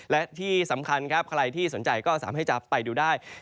และที่สำคัญครับใครที่สนใจก็สามารถให้จะไปดูได้